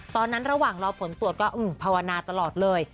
ตอนนั้นระหว่างรอผลตรวจก็อืมภาวนาตลอดเลย